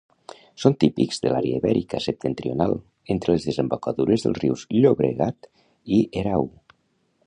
Són típics de l'àrea ibèrica septentrional, entre les desembocadures dels rius Llobregat i Erau.